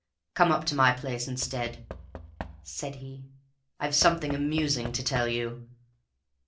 "Come up to my place instead," said he. "I've something amusing to tell you."